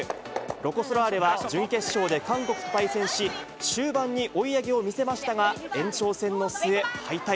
ロコ・ソラーレは準決勝で韓国と対戦し、終盤に追い上げを見せましたが、延長戦の末、敗退。